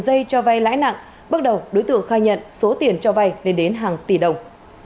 dây cho vay lãi nặng bước đầu đối tượng khai nhận số tiền cho vay lên đến hàng tỷ đồng